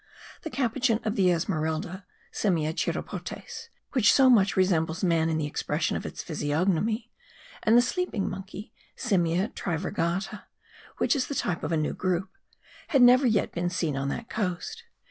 The capuchin of the Esmeralda (Simia chiropotes), which so much resembles man in the expression of its physiognomy; and the sleeping monkey (Simia trivirgata), which is the type of a new group; had never yet been seen on that coast.